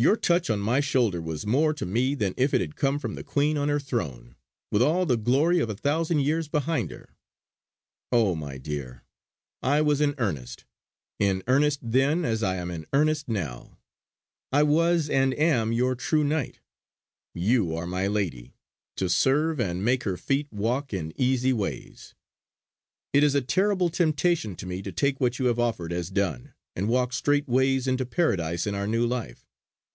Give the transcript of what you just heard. Your touch on my shoulder was more to me than if it had come from the Queen on her throne, with all the glory of a thousand years behind her. Oh, my dear, I was in earnest in earnest then, as I am in earnest now. I was, and am, your true knight! You are my lady; to serve, and make her feet walk in easy ways! It is a terrible temptation to me to take what you have offered as done, and walk straightway into Paradise in our new life.